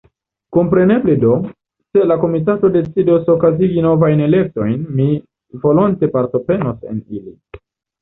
Kompreneble do, se la Komitato decidos okazigi novajn elektojn, mi volonte partoprenos en ili.